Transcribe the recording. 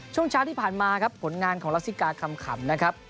ช่วงเช้าที่ผ่านมาครับผลงานของลักษิกาคำขำนะครับ